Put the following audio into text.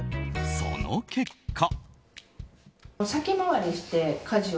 その結果。